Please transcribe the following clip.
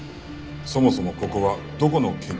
そもそもここはどこの研究室だ？